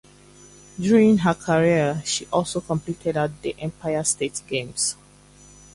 During her career she also competed at the Empire State Games.